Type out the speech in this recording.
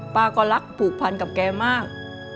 ป้าก็รักผูกพันกับแกมาก